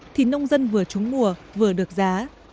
thì nông dân vừa trúng mùa vừa được giá